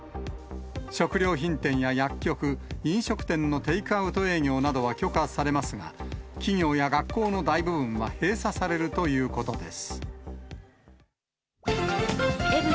食料品店や薬局、飲食店のテイクアウト営業などは許可されますが、企業や学校の大部分は閉鎖されるということです。